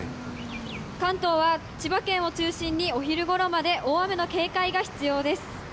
関東は千葉県を中心に、お昼ごろまで大雨の警戒が必要です。